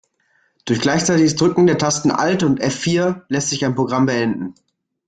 Durch gleichzeitiges Drücken der Tasten Alt und F-vier lässt sich ein Programm beenden.